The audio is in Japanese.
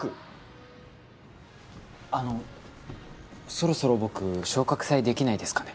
あのそろそろ僕昇格祭できないですかね？